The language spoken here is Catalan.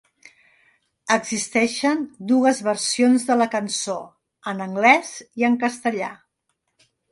Existeixen dues versions de la cançó; en anglès i en castellà.